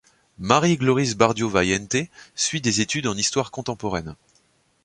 Marie Gloris Bardiaux-Vaïente suit des études en histoire contemporaine.